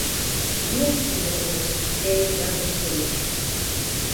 Юҡ инде ул, Әйүп Ғәзизович.